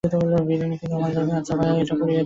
আচ্ছা, ভায়া, এটা পরিয়ে দেখো।